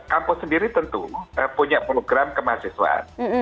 kampus sendiri tentu punya program kemahasiswaan